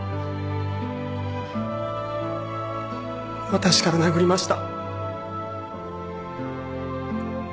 私から殴りました。